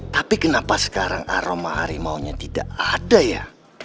tapi kenapa sekarang aroma harimaunya tidak ada ya